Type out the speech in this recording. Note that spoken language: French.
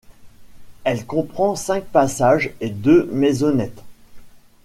Elle comprend cinq passages et deux maisonnettes.